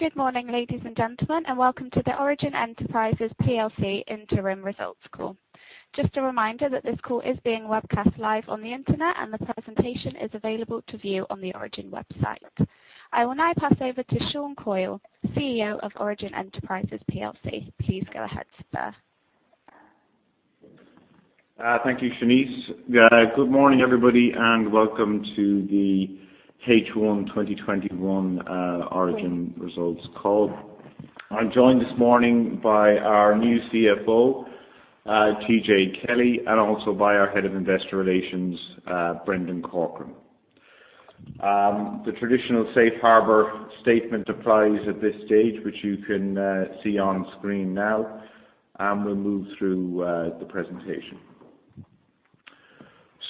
Good morning, ladies and gentlemen, and welcome to the Origin Enterprises plc interim results call. Just a reminder that this call is being webcast live on the internet, and the presentation is available to view on the Origin website. I will now pass over to Sean Coyle, CEO of Origin Enterprises plc. Please go ahead, sir. Thank you, Shanice. Good morning, everybody, and welcome to the H1 2021 Origin results call. I'm joined this morning by our new CFO, TJ Kelly, and also by our Head of Investor Relations, Brendan Corcoran. The traditional safe harbor statement applies at this stage, which you can see on screen now, and we'll move through the presentation.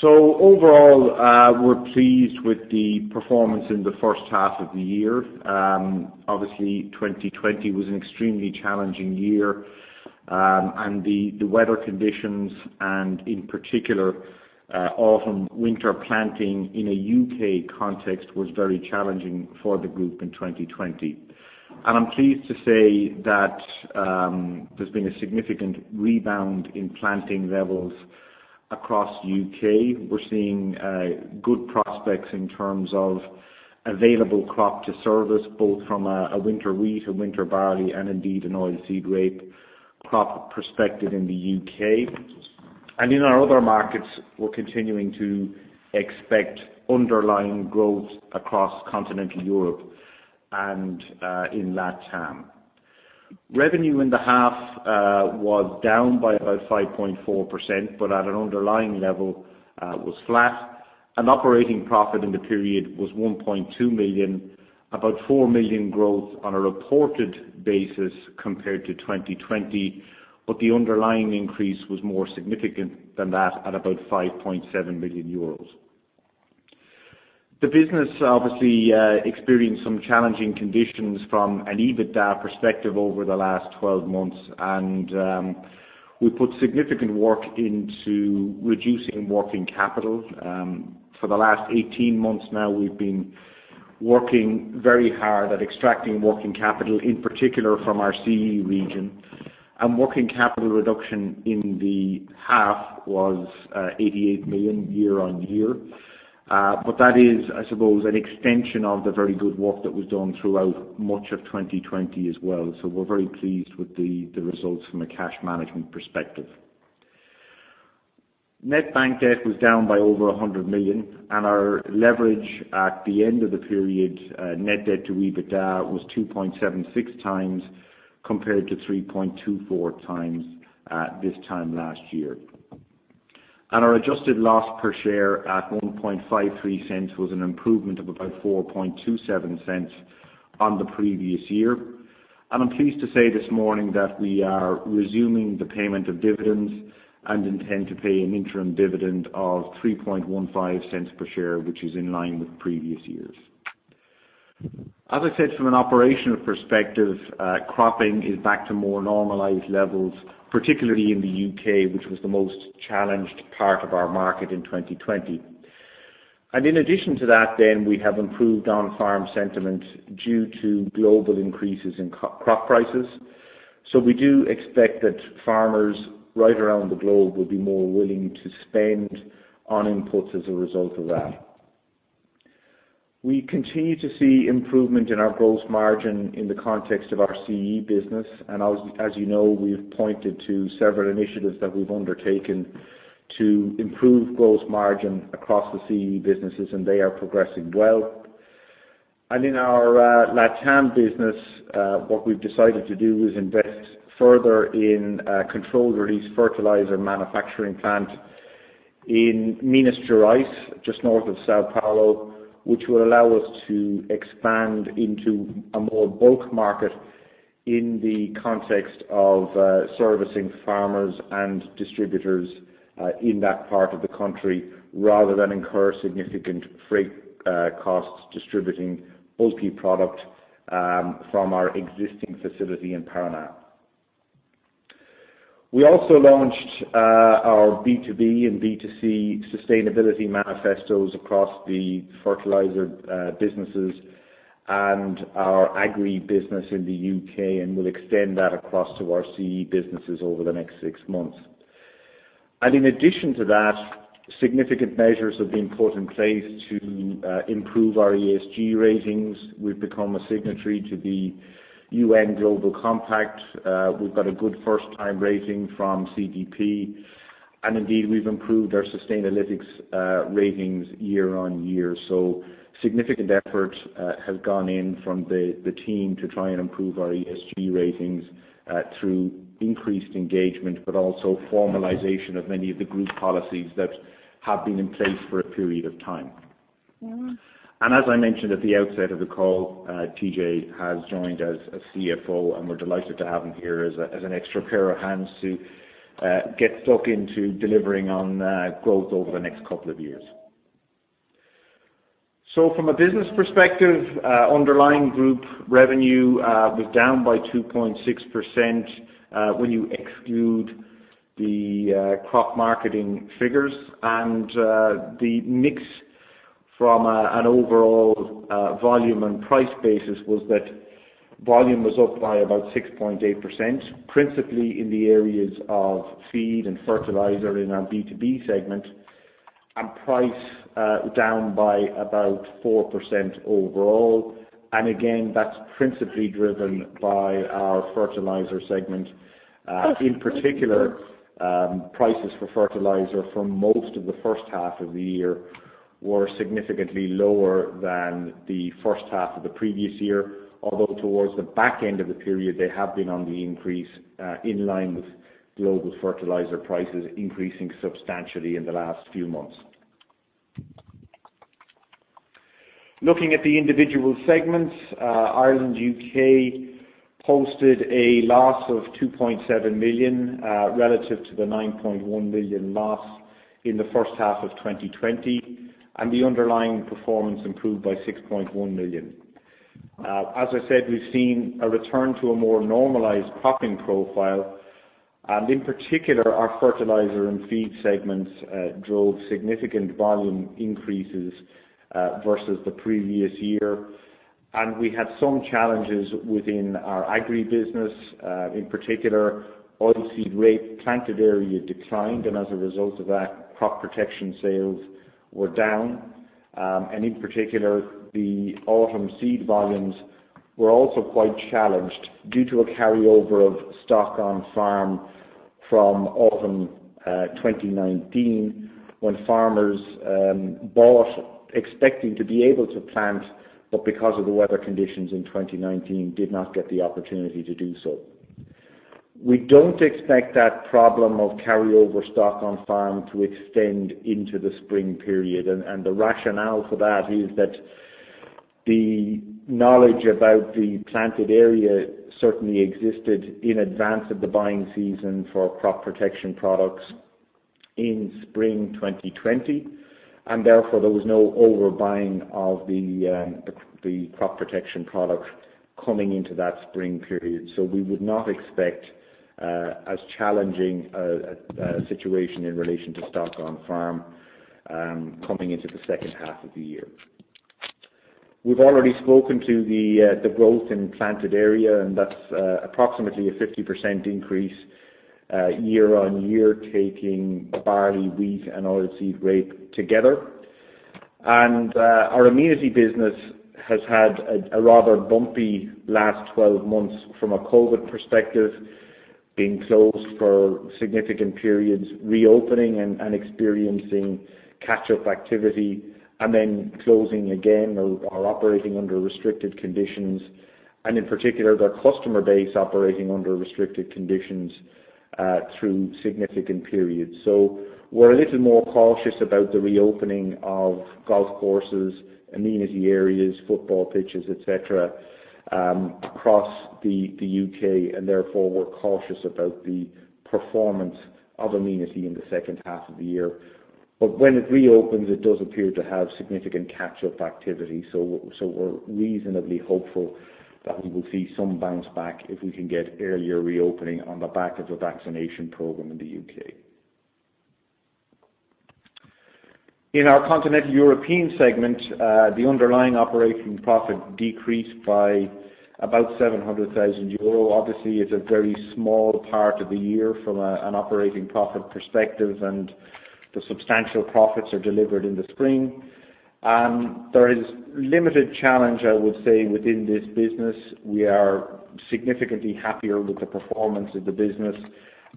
Overall, we're pleased with the performance in the H1 of the year. Obviously, 2020 was an extremely challenging year, and the weather conditions, and in particular, autumn/winter planting in a U.K. context was very challenging for the group in 2020. I'm pleased to say there's been a significant rebound in planting levels across the U.K. We're seeing good prospects in terms of available crop to service, both from a winter wheat, a winter barley, and indeed an oilseed rape crop prospected in the U.K. In our other markets, we're continuing to expect underlying growth across continental Europe and, in LATAM. Revenue in the half, was down by about 5.4%, but at an underlying level, was flat. Operating profit in the period was 1.2 million, about 4 million growth on a reported basis compared to 2020, but the underlying increase was more significant than that at about 5.7 million euros. The business, obviously, experienced some challenging conditions from an EBITDA perspective over the last 12 months, and, we put significant work into reducing working capital. For the last 18 months now, we've been working very hard at extracting working capital, in particular from our CE region. Working capital reduction in the half was, 88 million year-on-year. That is, I suppose, an extension of the very good work that was done throughout much of 2020 as well. We are very pleased with the results from a cash management perspective. Net bank debt was down by over 100 million, and our leverage at the end of the period, net debt-to-EBITDA, was 2.76 times compared to 3.24 times at this time last year. Our adjusted loss per share at 0.0153 was an improvement of about 0.0427 on the previous year. I am pleased to say this morning that we are resuming the payment of dividends and intend to pay an interim dividend of 0.0315 per share, which is in line with previous years. As I said, from an operational perspective, cropping is back to more normalized levels, particularly in the U.K., which was the most challenged part of our market in 2020. In addition to that, we have improved on farm sentiment due to global increases in crop prices. We do expect that farmers right around the globe would be more willing to spend on inputs as a result of that. We continue to see improvement in our gross margin in the context of our CE business, as you know, we've pointed to several initiatives that we've undertaken to improve gross margin across the CE businesses, and they are progressing well. In our LATAM business, what we've decided to do is invest further in a Controlled-Release Fertiliser manufacturing plant in Minas Gerais, just north of São Paulo, which will allow us to expand into a more bulk market in the context of servicing farmers and distributors in that part of the country rather than incur significant freight costs distributing bulky product from our existing facility in Paraná. We also launched our B2B and B2C sustainability manifestos across the fertilizer businesses and our Agriii business in the U.K., and will extend that across to our CE businesses over the next six months. In addition to that, significant measures have been put in place to improve our ESG ratings. We've become a signatory to the UN Global Compact. We've got a good first-time rating from CDP, and indeed, we've improved our Sustainalytics ratings year on year. Significant effort has gone in from the team to try and improve our ESG ratings through increased engagement but also formalization of many of the group policies that have been in place for a period of time. As I mentioned at the outset of the call, TJ has joined as a CFO, and we're delighted to have him here as an extra pair of hands to get stuck into delivering on growth over the next couple of years. From a business perspective, underlying group revenue was down by 2.6%, when you exclude the crop marketing figures. The mix from an overall volume and price basis was that volume was up by about 6.8%, principally in the areas of feed and fertilizer in our B2B segment, and price, down by about 4% overall. Again, that's principally driven by our fertilizer segment. Prices for fertilizer for most of the H1 of the year were significantly lower than the H1 of the previous year, although towards the back end of the period, they have been on the increase, in line with global fertilizer prices increasing substantially in the last few months. Looking at the individual segments, Ireland/U.K. posted a loss of 2.7 million, relative to the 9.1 million loss in H1 2020, and the underlying performance improved by 6.1 million. As I said, we've seen a return to a more normalized cropping profile, in particular, our fertilizer and feed segments, drove significant volume increases, versus the previous year. We had some challenges within our Agrii business. Oilseed rape planted area declined, as a result of that, crop protection sales were down. In particular, the autumn seed volumes were also quite challenged due to a carryover of stock-on farm from autumn 2019 when farmers bought expecting to be able to plant but because of the weather conditions in 2019 did not get the opportunity to do so. We don't expect that problem of carryover stock-on farm to extend into the spring period. The rationale for that is that the knowledge about the planted area certainly existed in advance of the buying season for crop protection products in spring 2020. Therefore, there was no overbuying of the crop protection product coming into that spring period. We would not expect as challenging a situation in relation to stock-on farm coming into the H2 of the year. We've already spoken to the growth in planted area, and that's approximately a 50% increase year on year taking barley, wheat, and oilseed rape together. Our amenity business has had a rather bumpy last 12 months from a COVID perspective, being closed for significant periods, reopening and experiencing catch-up activity, and then closing again or operating under restricted conditions, in particular their customer base operating under restricted conditions through significant periods. We're a little more cautious about the reopening of golf courses, amenity areas, football pitches, etc., across the U.K. Therefore, we're cautious about the performance of amenity in the H2 of the year. When it reopens, it does appear to have significant catch-up activity, so we're reasonably hopeful that we will see some bounce back if we can get earlier reopening on the back of the vaccination program in the U.K. In our Continental European segment, the underlying operating profit decreased by about 700,000 euro. Obviously, it's a very small part of the year from an operating profit perspective, and the substantial profits are delivered in the spring. There is limited challenge, I would say, within this business. We are significantly happier with the performance of the business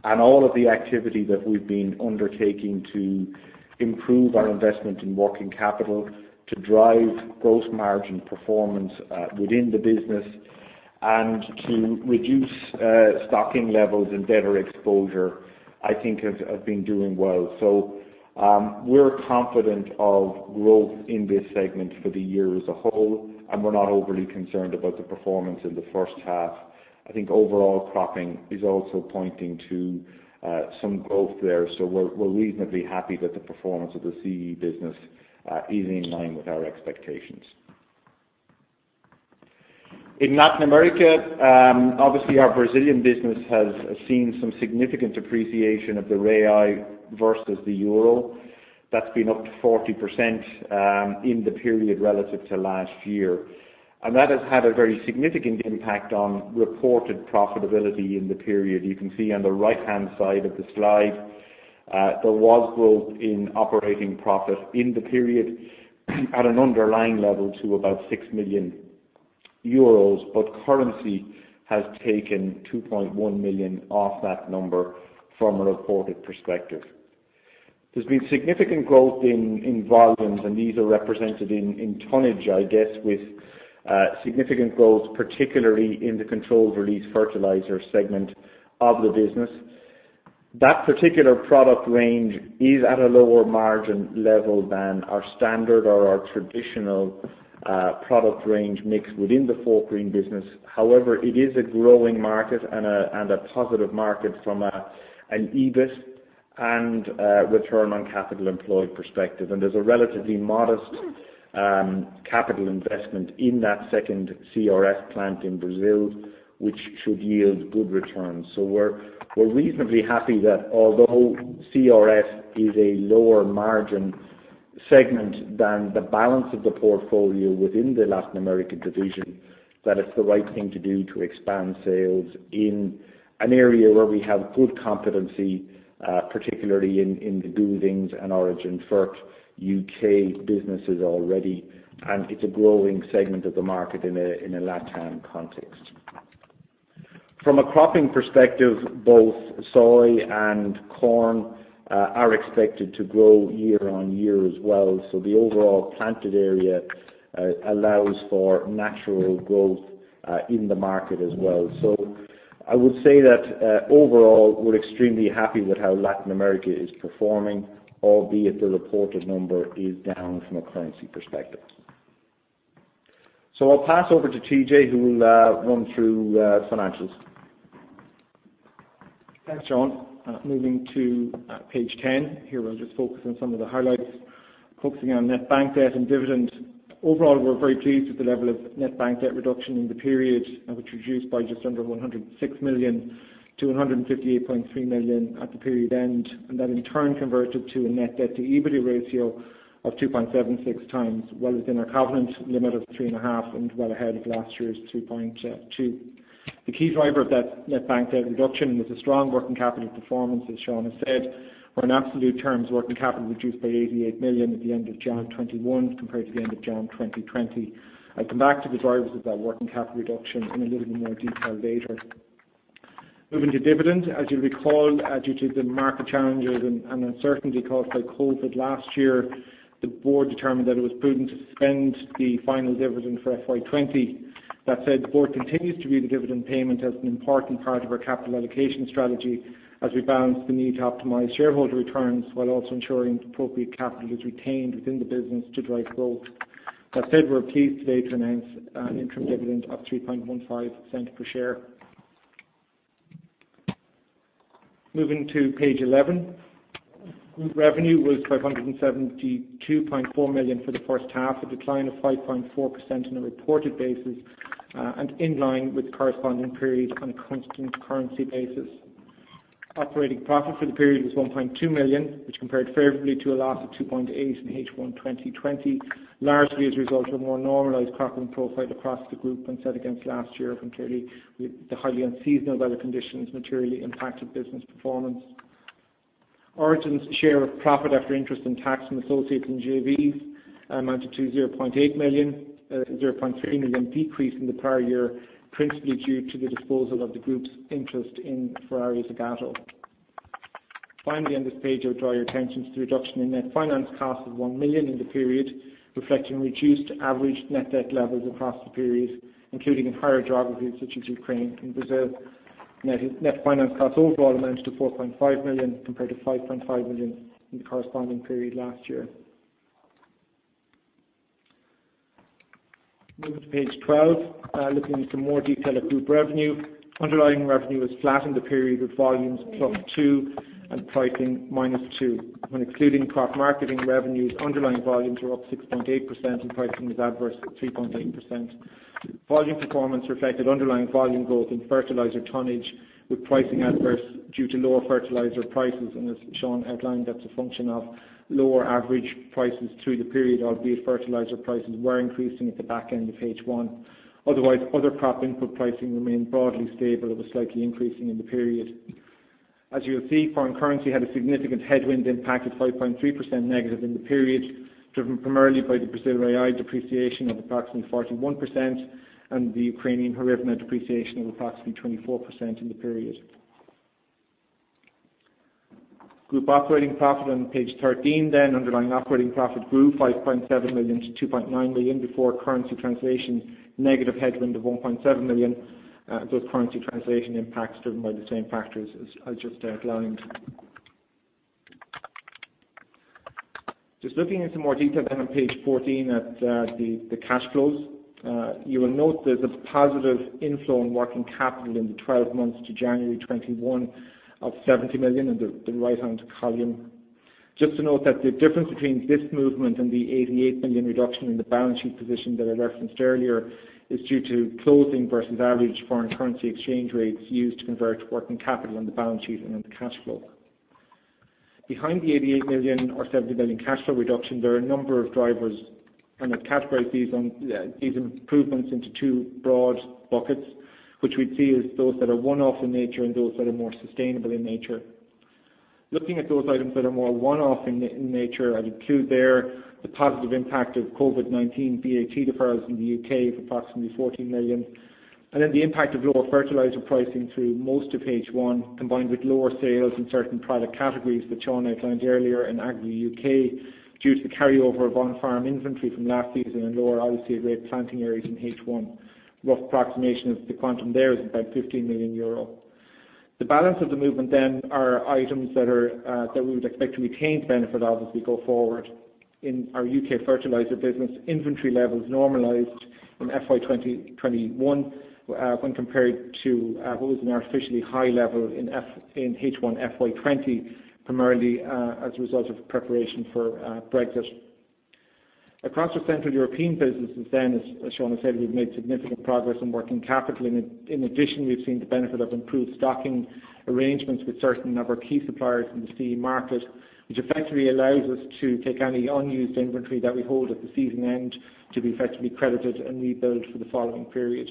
and all of the activity that we've been undertaking to improve our investment in working capital, to drive gross margin performance, within the business, and to reduce stocking levels and debtor exposure, I think, have been doing well. We're confident of growth in this segment for the year as a whole, and we're not overly concerned about the performance in the H1. I think overall cropping is also pointing to some growth there, so we're reasonably happy that the performance of the CE business is in line with our expectations. In Latin America, obviously, our Brazilian business has seen some significant appreciation of the reais versus the EUR. That's been up to 40% in the period relative to last year, and that has had a very significant impact on reported profitability in the period. You can see on the right-hand side of the slide, there was growth in operating profit in the period at an underlying level to about 6 million euros, but currency has taken 2.1 million off that number from a reported perspective. There's been significant growth in volumes, and these are represented in tonnage, I guess, with significant growth, particularly in the controlled-release fertilizer segment of the business. That particular product range is at a lower margin level than our standard or our traditional product range mix within the Fortgreen business. However, it is a growing market and a positive market from an EBIT and return on capital employed perspective. There's a relatively modest capital investment in that second CRF plant in Brazil, which should yield good returns. We're reasonably happy that although CRF is a lower margin segment than the balance of the portfolio within the Latin American division, that it's the right thing to do to expand sales in an area where we have good competency, particularly in the Gouldings and Origin Fert U.K. businesses already, and it's a growing segment of the market in a LATAM context. From a cropping perspective, both soy and corn are expected to grow year-on-year as well. The overall planted area allows for natural growth in the market as well. I would say that, overall, we're extremely happy with how Latin America is performing, albeit the reported number is down from a currency perspective. I'll pass over to TJ, who will run through financials. Thanks, Sean. Page 10 here, we'll just focus on some of the highlights, focusing on net bank debt and dividend. Overall, we're very pleased with the level of net bank debt reduction in the period, which reduced by just under 106 million to 158.3 million at the period end, and that in turn converted to a net debt-to-EBITDA ratio of 2.76 times well within our covenant limit of three and a half and well ahead of last year's 3.2. The key driver of that net bank debt reduction was the strong working capital performance, as Sean has said, where in absolute terms, working capital reduced by 88 million at the end of January 2021 compared to the end of January 2020. I'll come back to the drivers of that working capital reduction in a little bit more detail later. Moving to dividend, as you'll recall, due to the market challenges and uncertainty caused by COVID last year, the board determined that it was prudent to suspend the final dividend for FY20. The board continues to view the dividend payment as an important part of our capital allocation strategy as we balance the need to optimize shareholder returns while also ensuring appropriate capital is retained within the business to drive growth. We're pleased today to announce an interim dividend of 0.0315 per share. Moving to page 11. Group revenue was 572.4 million for the H1, a decline of 5.4% on a reported basis, in line with the corresponding period on a constant currency basis. Operating profit for the period was 1.2 million, which compared favorably to a loss of 2.8 million in H1 2020, largely as a result of a more normalized cropping profile across the group when set against last year compared with the highly unseasonal weather conditions materially impacted business performance. Origin's share of profit after interest and tax and associates in JVs amounted to 0.8 million, 0.3 million decrease in the prior year principally due to the disposal of the group's interest in Ferrari Zagatto. Finally, on this page, I would draw your attention to the reduction in net finance costs of 1 million in the period reflecting reduced average net debt levels across the period, including in higher geographies such as Ukraine and Brazil. Net finance costs overall amounted to 4.5 million compared to 5.5 million in the corresponding period last year. Moving to page 12, looking into more detail at group revenue, underlying revenue has flattened the period with volumes +2% and pricing -2%. When excluding crop marketing revenues, underlying volumes are up 6.8%, and pricing is adverse at 3.8%. Volume performance reflected underlying volume growth in fertilizer tonnage with pricing adverse due to lower fertilizer prices, and as Sean outlined, that's a function of lower average prices through the period, albeit fertilizer prices were increasing at the back end of H1. Otherwise, other crop input pricing remained broadly stable. It was slightly increasing in the period. As you'll see, foreign currency had a significant headwind impacted 5.3% negative in the period, driven primarily by the Brazil reais depreciation of approximately 41% and the Ukrainian hryvnia depreciation of approximately 24% in the period. Group operating profit on page 13 then, underlying operating profit grew 5.7 million to 2.9 million before currency translation negative headwind of 1.7 million. Currency translation impacts driven by the same factors as just outlined. Just looking into more detail on page 14 at the cash flows, you will note there's a positive inflow in working capital in the 12 months to January 2021 of 70 million on the right-hand column. Just to note that the difference between this movement and the 88 million reduction in the balance sheet position that I referenced earlier is due to closing versus average foreign currency exchange rates used to convert working capital on the balance sheet and on the cash flow. Behind the 88 million or 70 million cash flow reduction, there are a number of drivers, and I'd categorize these improvements into two broad buckets, which we'd see as those that are one-off in nature and those that are more sustainable in nature. Looking at those items that are more one-off in nature, I'd include there the positive impact of COVID-19 VAT deferrals in the U.K. of approximately 14 million and then the impact of lower fertilizer pricing through most of H1 combined with lower sales in certain product categories that Sean outlined earlier in Agrii U.K. due to the carryover of on-farm inventory from last season and lower, obviously, at rate planting areas in H1. Rough approximation of the quantum there is about 15 million euro. The balance of the movement then are items that we would expect to retain the benefit of as we go forward. In our U.K. fertilizer business, inventory levels normalized in FY2021 when compared to what was an artificially high level in H1 2020 primarily as a result of preparation for Brexit. Across our central European businesses, as Sean has said, we've made significant progress in working capital. In addition, we've seen the benefit of improved stocking arrangements with certain of our key suppliers in the CE market, which effectively allows us to take any unused inventory that we hold at the season end to be effectively credited and rebuilt for the following period.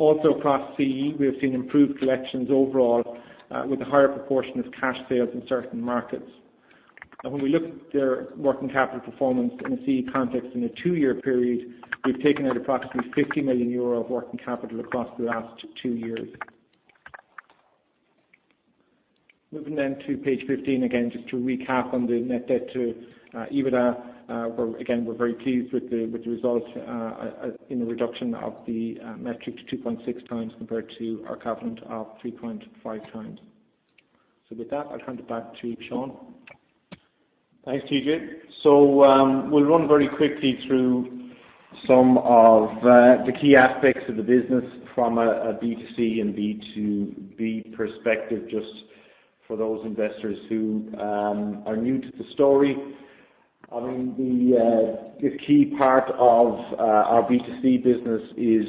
Across CE, we have seen improved collections overall, with a higher proportion of cash sales in certain markets. When we look at their working capital performance in a CE context in a two-year period, we've taken out approximately 50 million euro of working capital across the last two years. To page 15 again, just to recap on the net debt-to-EBITDA, we're again, we're very pleased with the result in the reduction of the metric to 2.6 times compared to our covenant of 3.5 times. With that, I'll hand it back to Sean. Thanks, TJ. We'll run very quickly through some of the key aspects of the business from a B2C and B2B perspective just for those investors who are new to the story. I mean, the key part of our B2C business is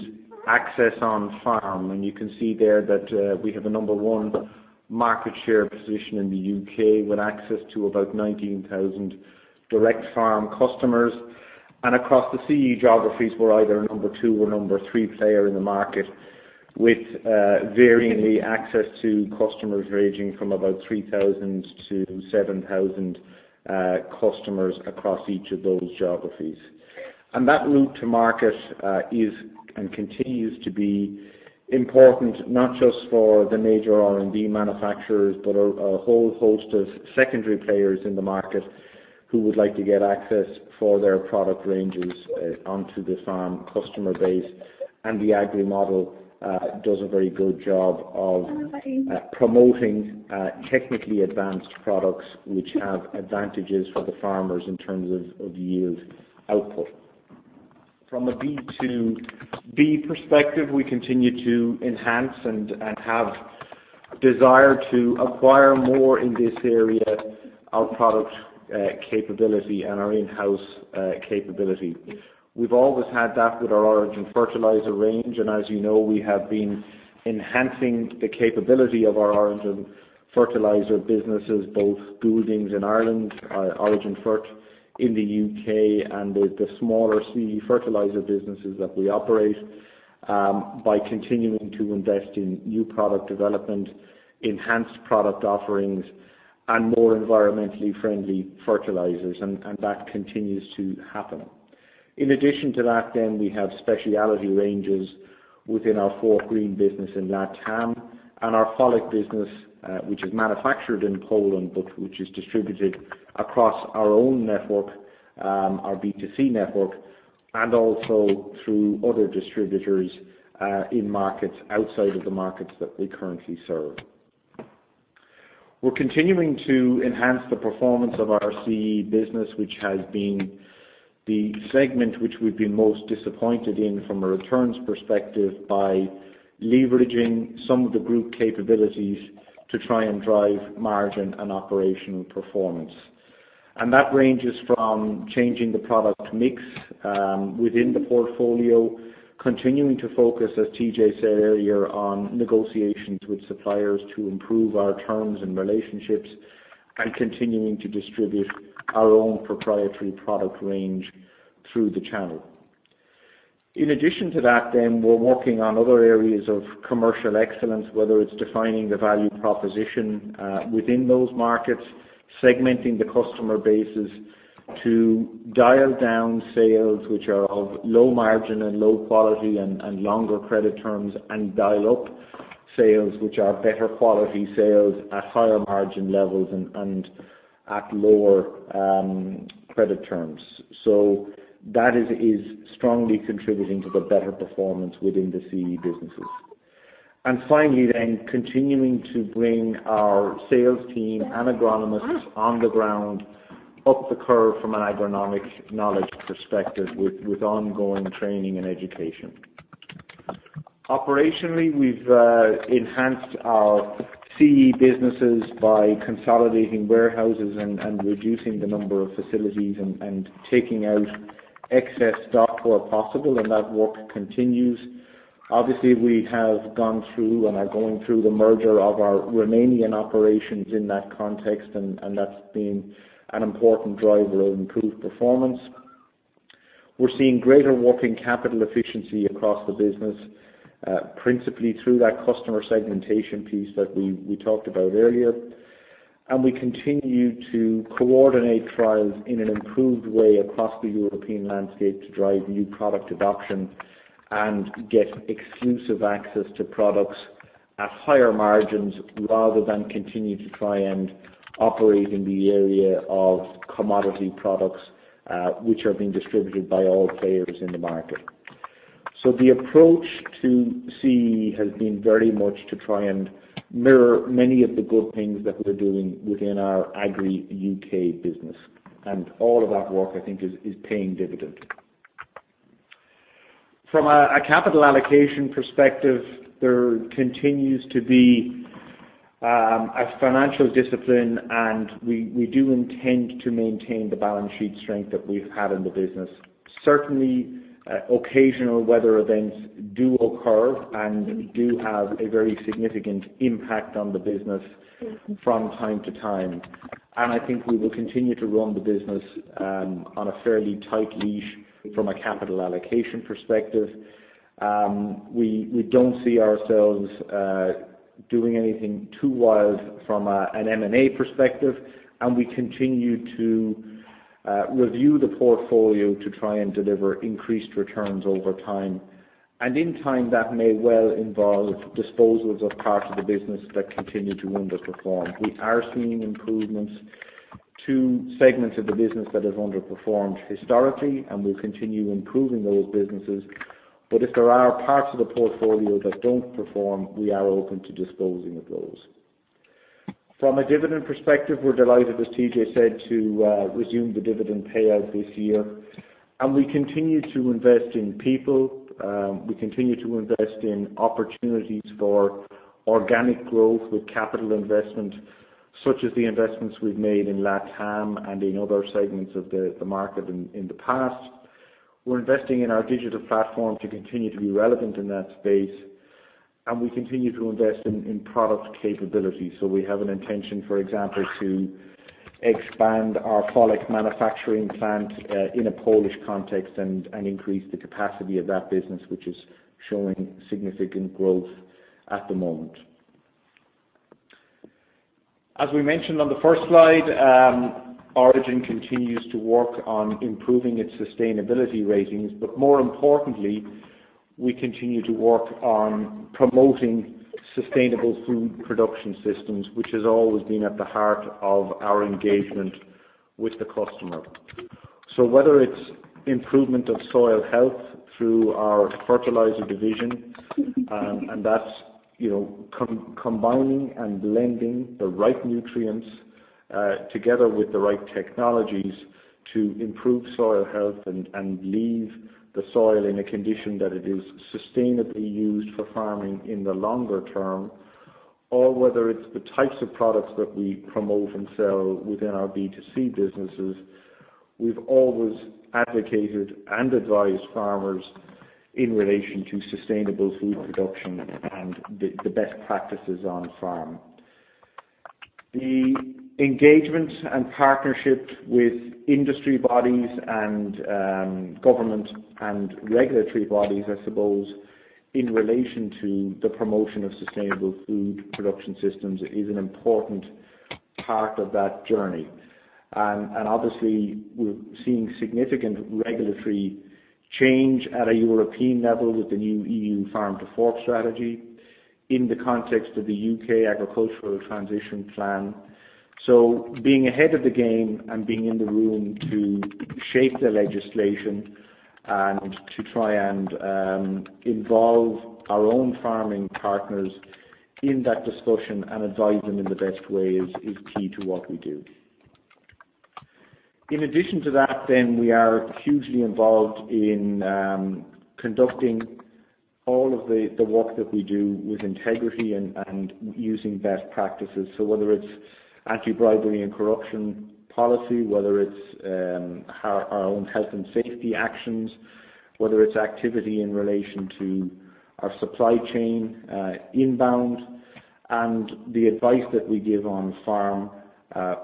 access on farm, and you can see there that we have a number one market share position in the U.K. with access to about 19,000 direct farm customers. Across the CE geographies, we're either a number two or number three player in the market with varyingly access to customers ranging from about 3,000-7,000 customers across each of those geographies. That route to market is and continues to be important not just for the major R&D manufacturers but a whole host of secondary players in the market who would like to get access for their product ranges onto the farm customer base. The Agriii model does a very good job of promoting technically advanced products which have advantages for the farmers in terms of yield output. From a B2B perspective, we continue to enhance and have desire to acquire more in this area, our product capability and our in-house capability. We've always had that with our Origin Fertilisers range, and as you know, we have been enhancing the capability of our Origin Fertilisers businesses, both Gouldings in Ireland, Origin Fert in the U.K., and the smaller CE fertilizer businesses that we operate, by continuing to invest in new product development, enhanced product offerings, and more environmentally friendly fertilizers. That continues to happen. In addition to that then, we have specialty ranges within our Fortgreen business in LATAM and our FoliQ business, which is manufactured in Poland but which is distributed across our own network, our B2C network, and also through other distributors, in markets outside of the markets that we currently serve. We're continuing to enhance the performance of our CE business, which has been the segment which we've been most disappointed in from a returns perspective by leveraging some of the group capabilities to try and drive margin and operational performance. That ranges from changing the product mix, within the portfolio, continuing to focus, as TJ said earlier, on negotiations with suppliers to improve our terms and relationships, and continuing to distribute our own proprietary product range through the channel. In addition to that, we're working on other areas of commercial excellence, whether it's defining the value proposition, within those markets, segmenting the customer bases to dial down sales which are of low margin and low quality and longer credit terms, and dial up sales which are better quality sales at higher margin levels and at lower credit terms. That is strongly contributing to the better performance within the CE businesses. Finally, continuing to bring our sales team and agronomists on the ground up the curve from an agronomic knowledge perspective with ongoing training and education. Operationally, we've enhanced our CE businesses by consolidating warehouses and reducing the number of facilities and taking out excess stock where possible, and that work continues. Obviously, we have gone through and are going through the merger of our Romanian operations in that context, and that's been an important driver of improved performance. We're seeing greater working capital efficiency across the business, principally through that customer segmentation piece that we talked about earlier. We continue to coordinate trials in an improved way across the European landscape to drive new product adoption and get exclusive access to products at higher margins rather than continue to try and operate in the area of commodity products, which are being distributed by all players in the market. The approach to CE has been very much to try and mirror many of the good things that we're doing within our Agriii UK business, and all of that work, I think, is paying dividend. From a capital allocation perspective, there continues to be a financial discipline, and we do intend to maintain the balance sheet strength that we've had in the business. Certainly, occasional weather events do occur and do have a very significant impact on the business from time to time. I think we will continue to run the business on a fairly tight leash from a capital allocation perspective. We don't see ourselves doing anything too wild from an M&A perspective, and we continue to review the portfolio to try and deliver increased returns over time. In time, that may well involve disposals of parts of the business that continue to underperform. We are seeing improvements to segments of the business that have underperformed historically, and we'll continue improving those businesses. If there are parts of the portfolio that don't perform, we are open to disposing of those. From a dividend perspective, we're delighted, as TJ said, to resume the dividend payout this year. We continue to invest in people. We continue to invest in opportunities for organic growth with capital investment such as the investments we've made in LATAM and in other segments of the market in the past. We're investing in our digital platform to continue to be relevant in that space, and we continue to invest in product capability. We have an intention, for example, to expand our Folik manufacturing plant in a Polish context and increase the capacity of that business, which is showing significant growth at the moment. As we mentioned on the first slide, Origin continues to work on improving its sustainability ratings, more importantly, we continue to work on promoting sustainable food production systems, which has always been at the heart of our engagement with the customer. Whether it's improvement of soil health through our fertilizer division, and that's, you know, combining and blending the right nutrients, together with the right technologies to improve soil health and leave the soil in a condition that it is sustainably used for farming in the longer term, or whether it's the types of products that we promote and sell within our B2C businesses, we've always advocated and advised farmers in relation to sustainable food production and the best practices on farm. The engagement and partnership with industry bodies and, government and regulatory bodies, I suppose, in relation to the promotion of sustainable food production systems is an important part of that journey. Obviously, we're seeing significant regulatory change at a European level with the new EU Farm to Fork Strategy in the context of the UK Agriiicultural Transition Plan. Being ahead of the game and being in the room to shape the legislation and to try and, involve our own farming partners in that discussion and advise them in the best way is key to what we do. In addition to that then, we are hugely involved in, conducting all of the work that we do with integrity and using best practices. Whether it's anti-bribery and corruption policy, whether it's our own health and safety actions, whether it's activity in relation to our supply chain, inbound, and the advice that we give on farm,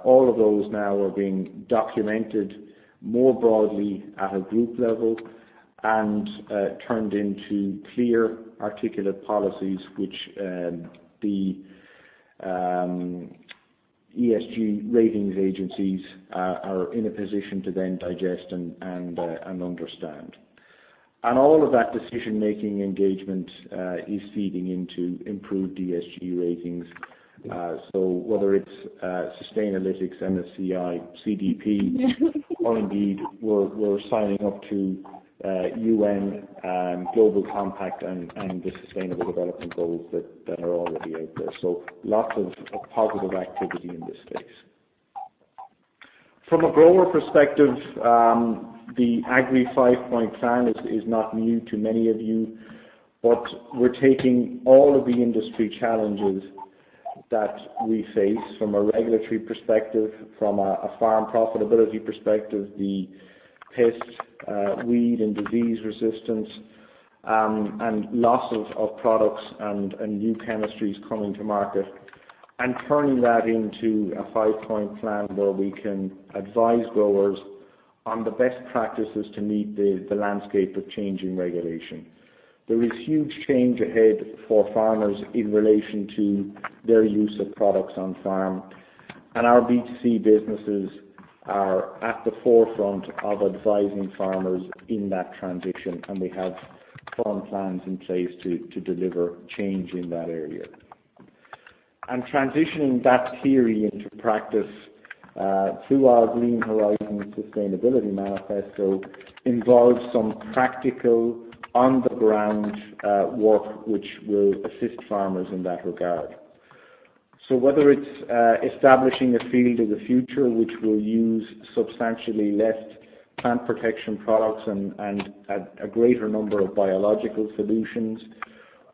all of those now are being documented more broadly at a group level and turned into clear, articulate policies which the ESG ratings agencies are in a position to then digest and understand. All of that decision-making engagement is feeding into improved ESG ratings. Whether it's Sustainalytics, MSCI, CDP, or indeed we're signing up to UN Global Compact and the Sustainable Development Goals that are already out there. Lots of positive activity in this space. From a grower perspective, the Agrii 5.0 plan is not new to many of you, but we're taking all of the industry challenges that we face from a regulatory perspective, from a farm profitability perspective, the pest, weed, and disease resistance, and lots of products and new chemistries coming to market, and turning that into a 5.0 plan where we can advise growers on the best practices to meet the landscape of changing regulation. There is huge change ahead for farmers in relation to their use of products on farm. Our B2C businesses are at the forefront of advising farmers in that transition. We have farm plans in place to deliver change in that area. Transitioning that theory into practice, through our Green Horizons Sustainability Manifesto involves some practical on-the-ground work which will assist farmers in that regard. Whether it's establishing a field of the future which will use substantially less plant protection products and a greater number of biological solutions,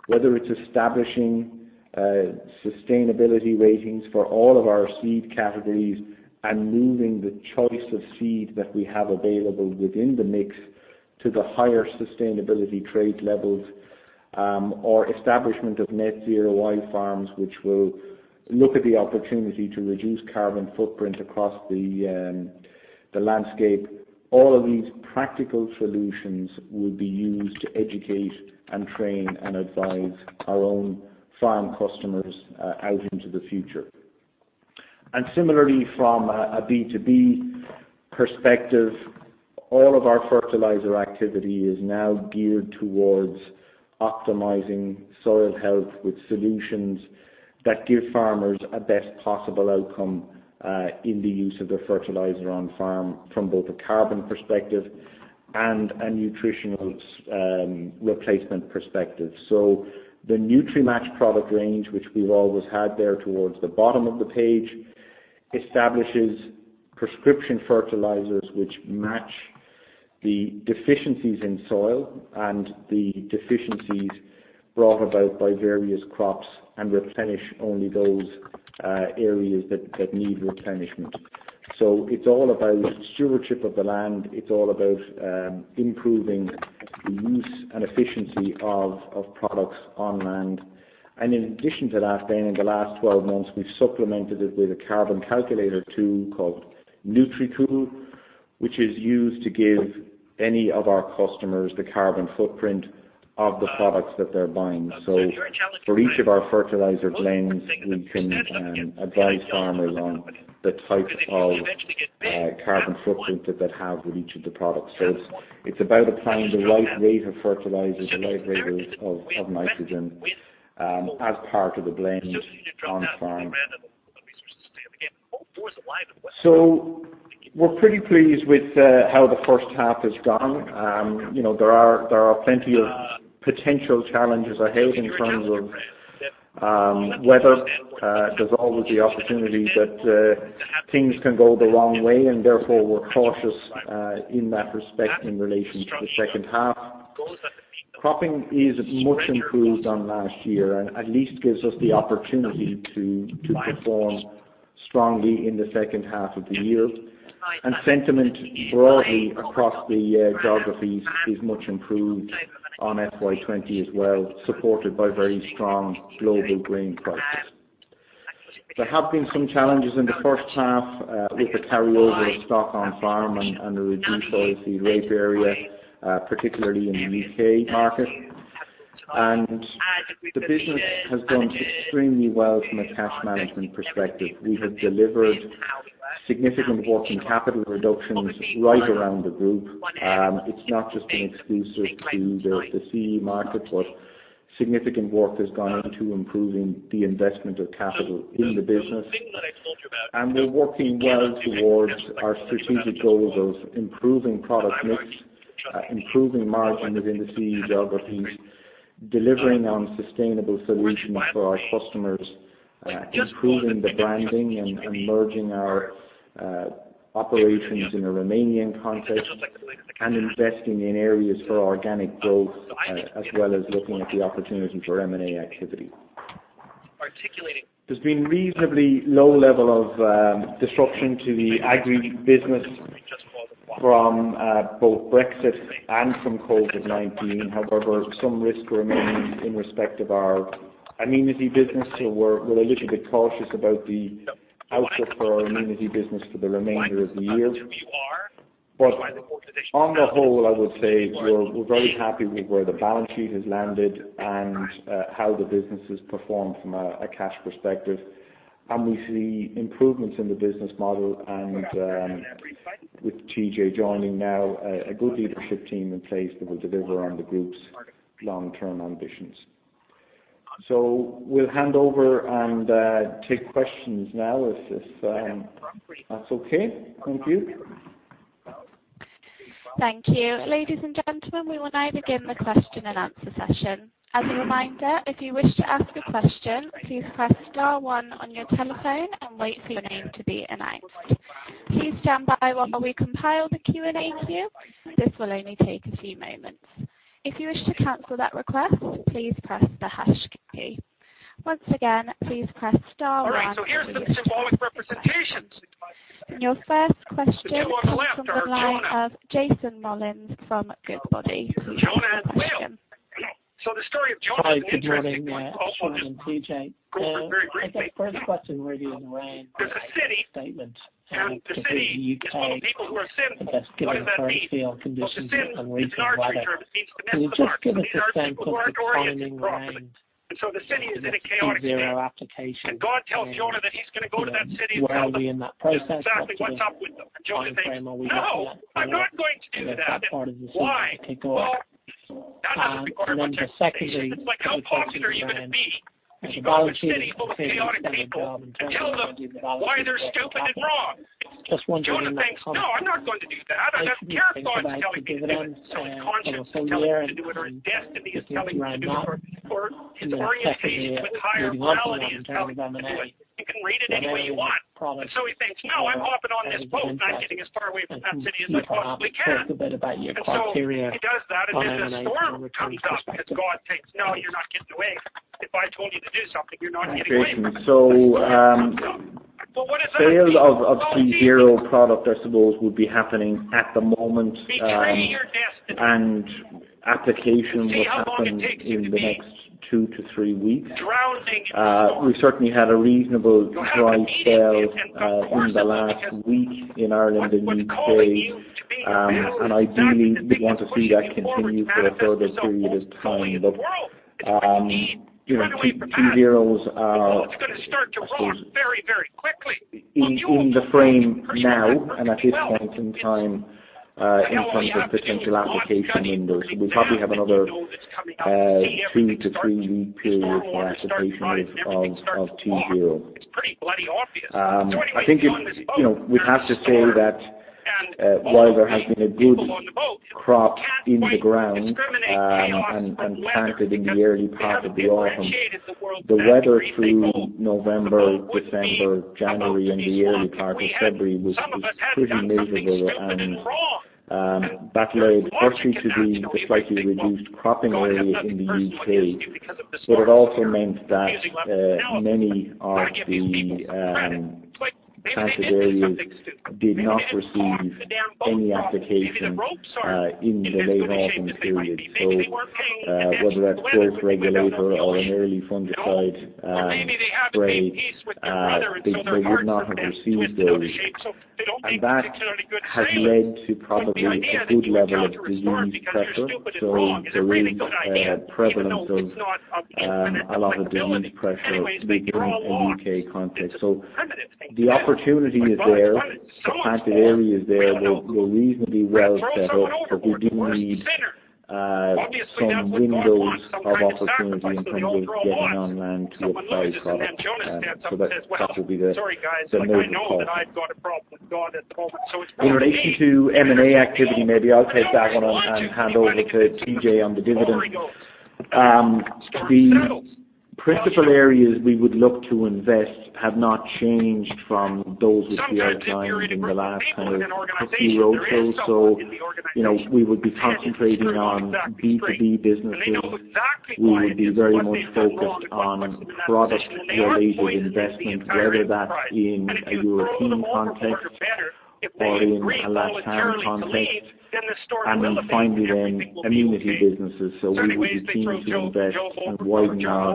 whether it's establishing sustainability ratings for all of our seed categories and moving the choice of seed that we have available within the mix to the higher sustainability trade levels, or establishment of net-zero wild farms which will look at the opportunity to reduce carbon footprint across the landscape, all of these practical solutions will be used to educate and train and advise our own farm customers out into the future. Similarly, from a B2B perspective, all of our fertilizer activity is now geared towards optimizing soil health with solutions that give farmers a best possible outcome in the use of their fertilizer on farm from both a carbon perspective and a nutritional replacement perspective. The NutriMatch product range, which we've always had there towards the bottom of the page, establishes prescription fertilizers which match the deficiencies in soil and the deficiencies brought about by various crops and replenish only those areas that need replenishment. It's all about stewardship of the land. It's all about improving the use and efficiency of products on land. In addition to that then, in the last 12 months, we've supplemented it with a carbon calculator too called NutriCool, which is used to give any of our customers the carbon footprint of the products that they're buying. For each of our fertilizer blends, we can advise farmers on the type of carbon footprint that have with each of the products. It's about applying the right rate of fertilizer, the right rate of nitrogen, as part of the blend on farm. We're pretty pleased with how the H1 has gone. You know, there are plenty of potential challenges ahead in terms of weather. There's always the opportunity that things can go the wrong way, and therefore, we're cautious in that respect in relation to the H2. Cropping is much improved on last year and at least gives us the opportunity to perform strongly in the H2 of the year. Sentiment broadly across the geographies is much improved on FY20 as well, supported by very strong global grain prices. There have been some challenges in the H1, with the carryover of stock on farm and the reduced oil seed rape area, particularly in the U.K. market. The business has done extremely well from a cash management perspective. We have delivered significant work in capital reductions right around the group. It's not just an exclusive to the CE market, but significant work has gone into improving the investment of capital in the business. We're working well towards our strategic goals of improving product mix, improving margin within the CE geographies, delivering on sustainable solutions for our customers, improving the branding and merging our operations in a Romanian context, and investing in areas for organic growth, as well as looking at the opportunity for M&A activity. There's been reasonably low level of disruption to the Agriii business from both Brexit and from COVID-19. However, some risk remains in respect of our amenity business, so we're a little bit cautious about the outlook for our amenity business for the remainder of the year. On the whole, I would say we're very happy with where the balance sheet has landed and how the business has performed from a cash perspective. We see improvements in the business model, and with TJ joining now, a good leadership team in place that will deliver on the group's long-term ambitions. We'll hand over and take questions now if that's okay. Thank you. Thank you. Ladies and gentlemen, we will now begin the question-and-answer session. As a reminder, if you wish to ask a question, please press star one on your telephone and wait for your name to be announced. Please stand by while we compile the Q&A queue. This will only take a few moments. If you wish to cancel that request, please press the hash key. Once again, please press star one. Your first question is from Jason Molins from Goodbody. Jason, well. The story of Jason's adventure in the trenches and TJ, I guess the first question really is around the statement, that the people who are sinful, what does that mean? It's an archetype. It means to miss the mark. Just give us a sentence defining the mark. The city is in a chaotic state, and God tells Jason that he's going to go to that city and tell them exactly what's up with them. Jason thinks, "No, I'm not going to do that. Why?" The second is, like, how positive are you going to be when you go to a city full of chaotic people and tell them why they're stupid and wrong? Jason thinks, "No, I'm not going to do that. His conscience is telling him to do it, or his destiny is telling him to do it, or his orientation with higher morality is telling him to do it. You can read it any way you want. He thinks, "No, I'm hopping on this boat, and I'm getting as far away from that city as I possibly can." He does that, and then the storm comes up because God thinks, "No, you're not getting away. If I told you to do something, you're not getting away from it." Well, what does that mean? Sales of T0 product, I suppose, would be happening at the moment, and application would happen in the next two to three weeks. We've certainly had a reasonable dry spell, in the last week in Ireland and U.K., ideally, we'd want to see that continue for a further period of time. You know, T0s, I suppose, in the frame now and at this point in time, in terms of potential application windows, we'll probably have another, two-to-three-week period for application of T0. I think it's, you know, we'd have to say that, while there has been a good crop in the ground, and planted in the early part of the autumn, the weather through November, December, January, and the early part of February was pretty miserable, that led firstly to the slightly reduced cropping area in the U.K., it also meant that many of the planted areas did not receive any application in the late autumn period. Whether that's growth regulator or an early fungicide, spray, they would not have received those. That has led to probably a good level of disease pressure. There is prevalence of a lot of disease pressure within a U.K. context. The opportunity is there. The planted area is there. They're reasonably well set up, but we do need some windows of opportunity in terms of getting on land to apply products, so that will be the major problem. In relation to M&A activity, maybe I'll take that one and hand over to TJ on the dividend. The principal areas we would look to invest have not changed from those which we are trying within the last kind of 50 or so. You know, we would be concentrating on B2B businesses. We would be very much focused on product-related investment, whether that's in a European context or in a LatAm context. Finally, amenity businesses. We would be keen to invest and widen our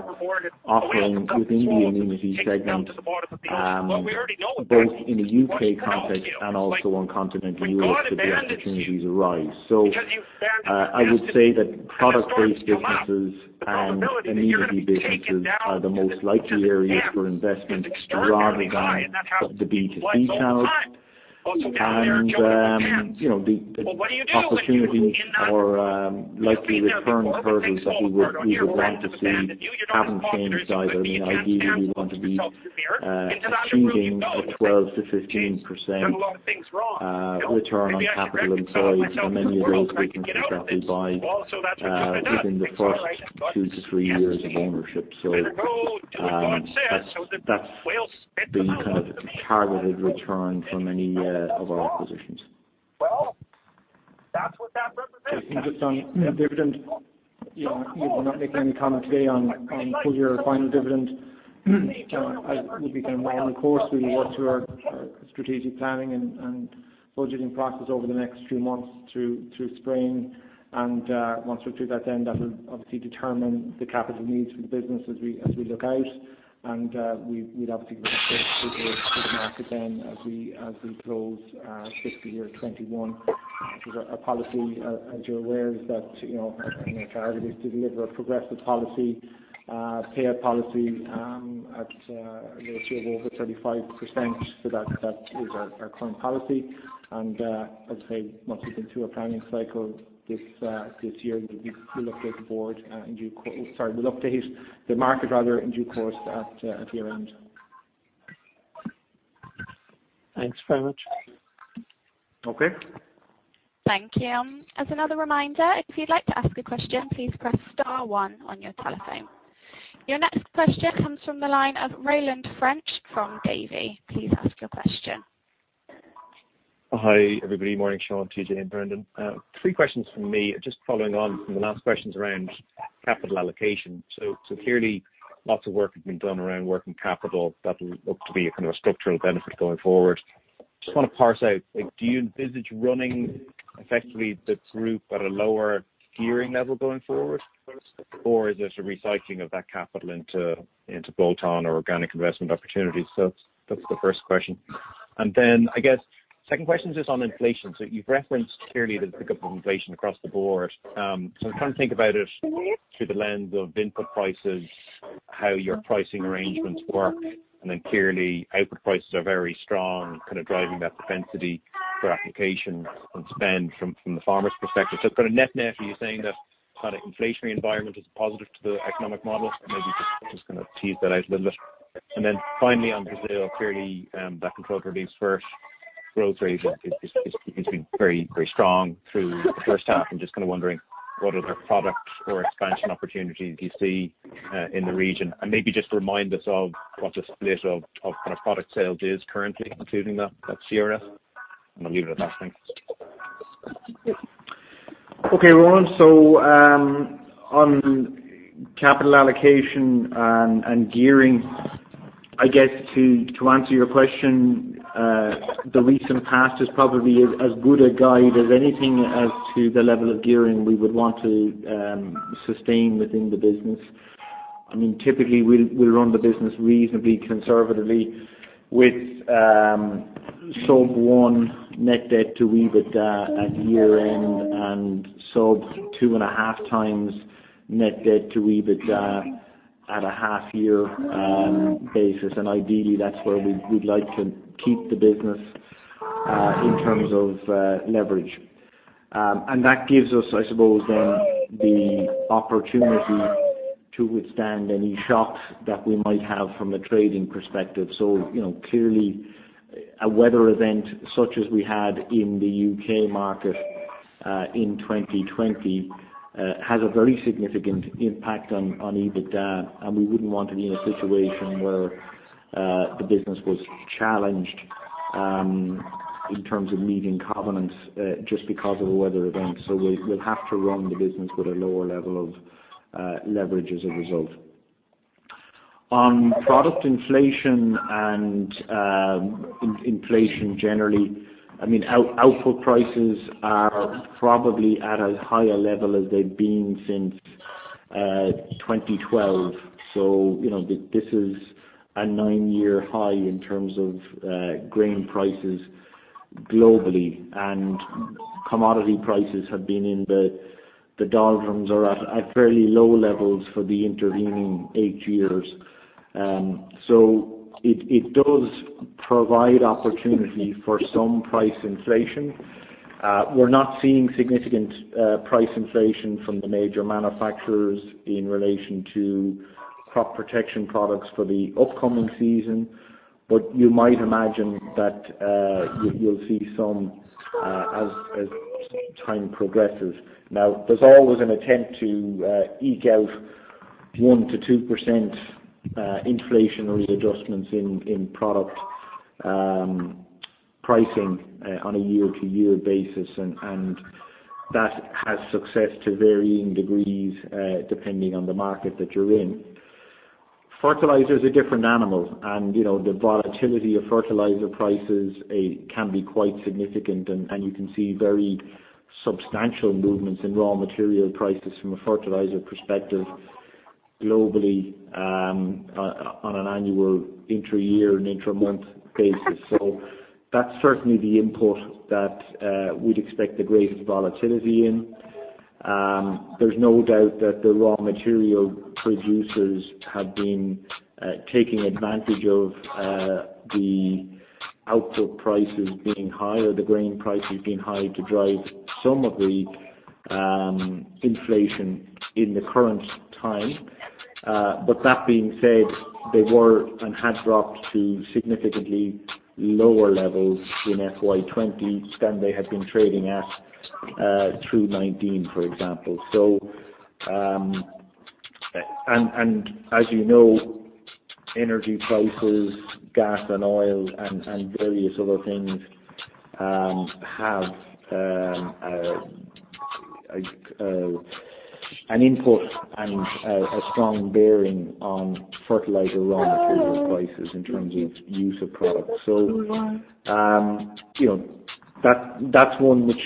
offering within the amenity segment, both in a U.K. context and also on continental Europe should the opportunities arise. I would say that product-based businesses and amenity businesses are the most likely areas for investment rather than the B2C channels. You know, the opportunities or likely return hurdles that we would want to see haven't changed either. I mean, ideally, we want to be achieving a 12%-15% return on capital employed for many of those businesses that we buy within the first 2-3 years of ownership. That's the kind of targeted return for many of our acquisitions. You think it's on dividend? You're not making any comment today on your final dividend. As we'll be kind of along the course, we will work through our strategic planning and budgeting process over the next few months through spring. Once we're through that then, that will obviously determine the capital needs for the business as we look out. We'd obviously give it a shake through the market then as we close fiscal year 2021. because our policy, as you're aware, is that, you know, our target is to deliver a progressive policy, payout policy, at a ratio of over 35%. That is our current policy. As I say, once we've been through our planning cycle, this year will update the board, in due course sorry, will update the market rather in due course at year-end. Thanks very much. Okay. Thank you. As another reminder, if you would like to as a question, please press star one on your telephone. Your next question comes from the line of Roland French form Davy. Hi, everybody. Morning, Sean, TJ, and Brendan. three questions from me, just following on from the last questions around capital allocation. Clearly, lots of work has been done around working capital that'll look to be a kind of a structural benefit going forward. Just wanna parse out, like, do you envisage running effectively the group at a lower gearing level going forward, or is it a recycling of that capital into bolt-on or organic investment opportunities? That's the first question. I guess second question's just on inflation. You've referenced clearly the pickup of inflation across the board. I'm trying to think about it through the lens of input prices, how your pricing arrangements work, and then clearly, output prices are very strong, kind of driving that propensity for application and spend from the farmer's perspective. Kind of net-net, are you saying that kind of inflationary environment is positive to the economic model? Maybe just kind of tease that out a little bit. Finally, on Brazil, clearly, that controlled release fertiliser growth rate is being very, very strong through the H1. I'm just kind of wondering, what other product or expansion opportunities do you see in the region? Maybe just remind us of what the split of kind of product sales is currently, including that CRF. I'll leave it at that, thanks. Okay, Roland. On capital allocation and gearing, I guess to answer your question, the recent past is probably as good a guide as anything as to the level of gearing we would want to sustain within the business. I mean, typically, we'll run the business reasonably conservatively with sub-1 net debt-to-EBITDA at year-end and sub-2 and a half times net debt-to-EBITDA at a half-year basis. Ideally, that's where we'd like to keep the business, in terms of, leverage. That gives us, I suppose, then the opportunity to withstand any shocks that we might have from a trading perspective. You know, clearly, a weather event such as we had in the U.K. market, in 2020, has a very significant impact on EBITDA, and we wouldn't want to be in a situation where, the business was challenged, in terms of meeting covenants, just because of a weather event. We'll, we'll have to run the business with a lower level of, leverage as a result. On product inflation and, in-inflation generally, I mean, out-output prices are probably at a higher level as they've been since, 2012. You know, this is a nine-year high in terms of grain prices globally, and commodity prices have been in the doldrums are at fairly low levels for the intervening eight years. It does provide opportunity for some price inflation. We're not seeing significant price inflation from the major manufacturers in relation to crop protection products for the upcoming season, but you might imagine that you'll see some as time progresses. There's always an attempt to eke out 1%-2% inflationary adjustments in product pricing on a year-to-year basis, and that has success to varying degrees, depending on the market that you're in. Fertilizer's a different animal, you know, the volatility of fertilizer prices can be quite significant, you can see very substantial movements in raw material prices from a fertilizer perspective globally, on an annual inter-year and inter-month basis. That's certainly the input that we'd expect the greatest volatility in. There's no doubt that the raw material producers have been taking advantage of the output prices being high or the grain prices being high to drive some of the inflation in the current time. That being said, they were and had dropped to significantly lower levels in FY20 than they had been trading at through 2019, for example. As you know, energy prices, gas, and oil, and various other things, have an input and a strong bearing on fertilizer raw material prices in terms of use of products. You know, that's one which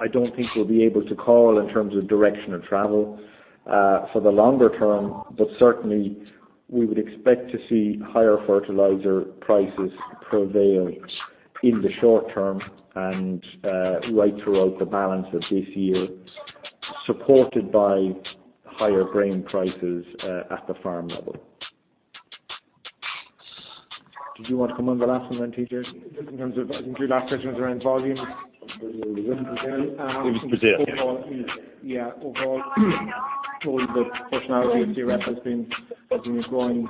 I don't think we'll be able to call in terms of direction of travel, for the longer term, but certainly, we would expect to see higher fertilizer prices prevail in the short term and, right throughout the balance of this year, supported by higher grain prices, at the farm level. Did you want to come on the last one then, TJ? Just in terms of I think your last question was around volume. It was Brazil. It was Brazil. Overall, yeah. Overall, the percentage of CRF has been a growing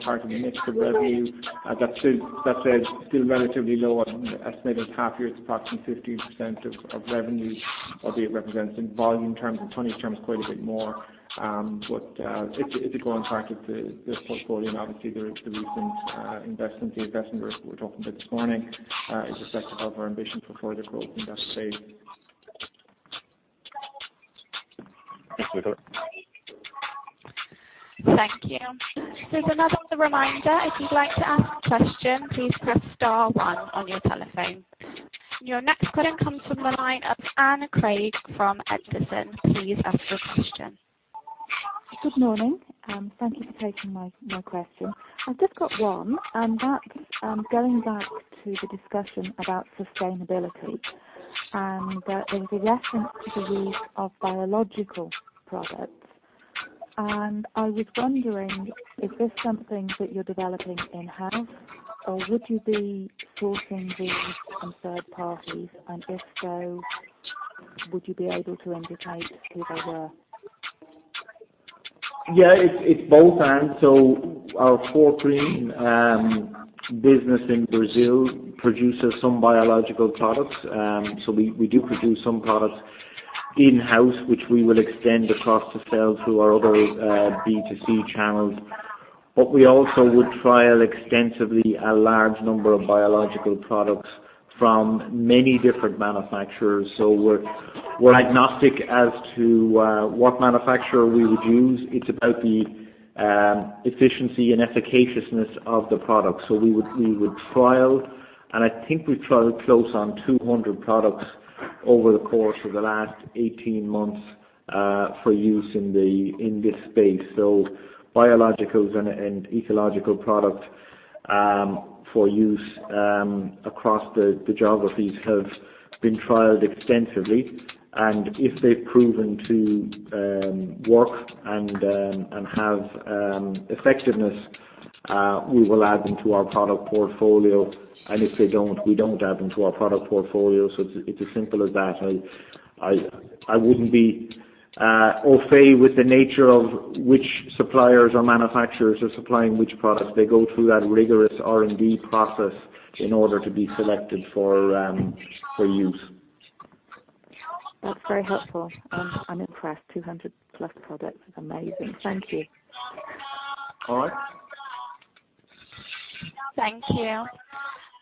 part of the mix of revenue. That's still relatively low. An estimated half-year, it's approximately 15% of revenue, although it represents in volume terms and funding terms quite a bit more. It's a growing part of the portfolio. Obviously, the recent investment we are talking about this morning is reflective of our ambition for further growth in that space. Thanks for the clip. Thank you. As another reminder, if you would like to ask a question, please press star one on your telephone. Your next question comes from the line of Anna Craig from Edison. Please ask your question. Good morning. Thank you for taking my question. I have just got one, and that is going back to the discussion about sustainability. There was a reference to the use of biological products, and I was wondering, is this something that you are developing in-house, or would you be sourcing these from third parties? If so, would you be able to indicate who they were? Yeah. It is bolt-on. Our Fortgreen business in Brazil produces some biological products. We do produce some products in-house, which we will extend across to sell through our other B2C channels. We also would trial extensively a large number of biological products from many different manufacturers. We're agnostic as to what manufacturer we would use. It's about the efficiency and efficaciousness of the products. We would trial, and I think we've trialed close on 200 products over the course of the last 18 months, for use in this space. Biologicals and ecological products, for use across the geographies have been trialed extensively. If they've proven to work and have effectiveness, we will add them to our product portfolio. If they don't, we don't add them to our product portfolio. It's as simple as that. I wouldn't be au fait with the nature of which suppliers or manufacturers are supplying which products. They go through that rigorous R&D process in order to be selected for use. That's very helpful. I'm impressed. 200-plus products. Amazing. Thank you.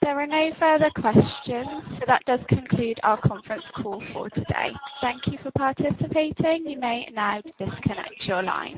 All right. Thank you. That does conclude our conference call for today. Thank you for participating. You may now disconnect your line.